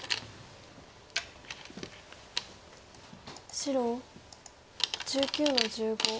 白１９の十五。